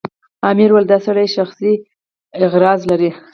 امیر وویل دا سړی شخصي اغراض لري.